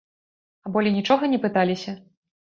А болей нічога не пыталіся?